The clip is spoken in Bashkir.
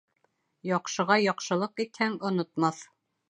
Яҡшыға яҡшылыҡ итһәң, онотмаҫ.